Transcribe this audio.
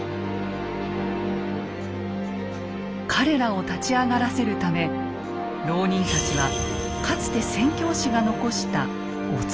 彼らを立ち上がらせるため牢人たちはかつて宣教師が残したお告げに目をつけます。